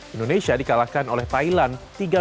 indonesia dikalahkan oleh thailand tiga